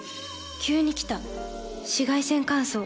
急に来た紫外線乾燥。